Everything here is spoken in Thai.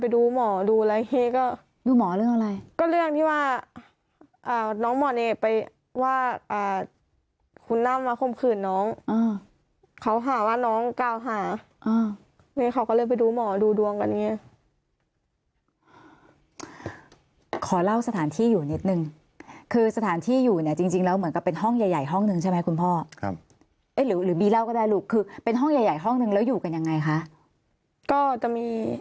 ดูหมอดูแล้วเฮก็ดูหมอเรื่องอะไรก็เรื่องที่ว่าน้องหมอเนไปว่าคุณร่ำมาคมคืนน้องเขาหาว่าน้องก้าวหาแม่เขาก็เลยไปดูหมอดูดวงกันไงขอเล่าสถานที่อยู่นิดนึงคือสถานที่อยู่เนี่ยจริงจริงแล้วเหมือนกับเป็นห้องใหญ่ใหญ่ห้องหนึ่งใช่ไหมคุณพ่อครับเอ๊ะหรือบีเล่าก็ได้ลูกคือเป็นห้องใหญ่ใหญ่ห้องนึงแล้วอยู่กันยังไงคะก็จะมี